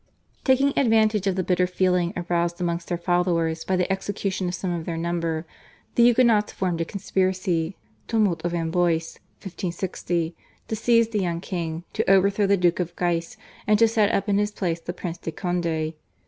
Taking advantage of the bitter feeling aroused amongst their followers by the execution of some of their number, the Huguenots formed a conspiracy (Tumult of Amboise 1560) to seize the young king, to overthrow the Duke of Guise, and to set up in his place the Prince de Conde.